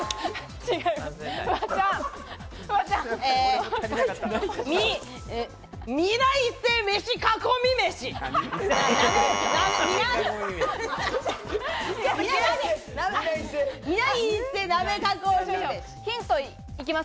違います。